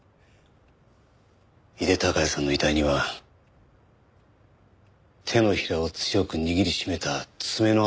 井手孝也さんの遺体には手のひらを強く握り締めた爪の痕が残っていました。